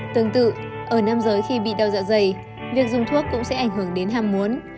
tương tự ở nam giới khi bị đau dạ dày việc dùng thuốc cũng sẽ ảnh hưởng đến ham muốn